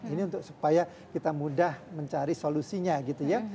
ini untuk supaya kita mudah mencari solusinya gitu ya